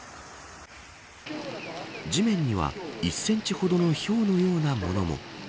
地面には１センチほどのひょうのようなものも。